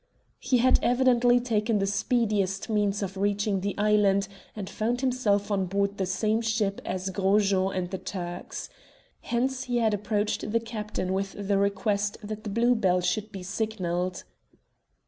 He had evidently taken the speediest means of reaching the island, and found himself on board the same ship as Gros Jean and the Turks. Hence he had approached the captain with the request that the Blue Bell should be signalled.